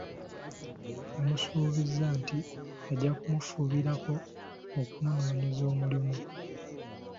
Yamusuubiza nti ajja kumufubirako okumunoonyeza omulimu.